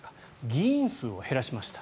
議員数を減らしました。